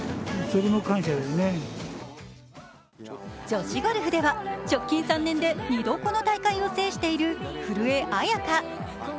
女子ゴルフでは、直近３年で、２度この大会を制している古江彩佳。